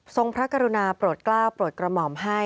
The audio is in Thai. พระกรุณาโปรดกล้าวโปรดกระหม่อมให้